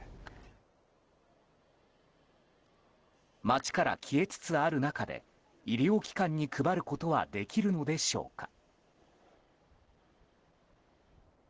街から消えつつある中で医療機関に配ることはできるのでしょうか。